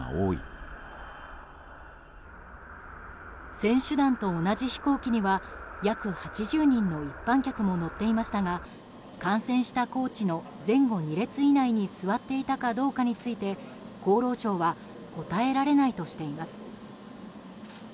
選手団と同じ飛行機には約８０人の一般客も乗っていましたが感染したコーチの前後２列以内に座っていたかどうかについて厚労省は答えられないとしています。